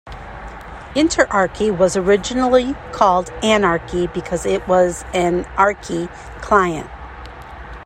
Interarchy was originally called "Anarchie" because it was an Archie client.